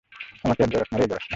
আমাকে আর জড়াস নে রে, জড়াস নে!